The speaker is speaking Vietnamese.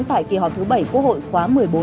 tại kỳ họp thứ bảy quốc hội khóa một mươi bốn